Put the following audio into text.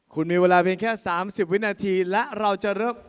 คุณมีเวลาเพียงแค่๓๐วินาทีและเราจะเริ่ม